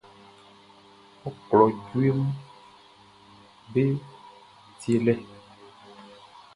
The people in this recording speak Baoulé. Ɔ klo jueʼm be tielɛ.